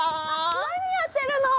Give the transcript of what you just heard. なにやってるの？